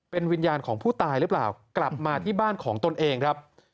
เป็นวิญญาณของผู้ตายหรือเปล่ากลับมาที่บ้านของตนเองครับ